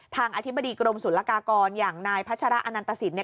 ทางอธิบดีกรมศูนย์ลากากรอย่างนายพัชรานันตสิทธิ์เนี้ย